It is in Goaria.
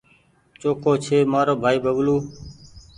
چوکو ڇي مآرو ڀآئي ببلو